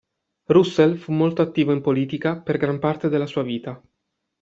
Russell fu molto attivo in politica per gran parte della sua vita.